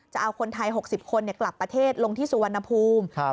จะเอาคนไทย๖๐คนกลับประเทศลงที่สุวรรณภูมิ